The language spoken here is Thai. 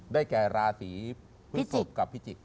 ได้แก่ราศรีพฤษภกับพิจิกษ์